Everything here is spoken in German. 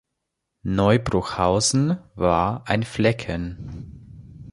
Neubruchhausen war ein Flecken.